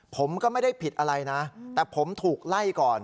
ผมก็ไม่ได้ผิดอะไรนะแต่ผมถูกไล่ก่อน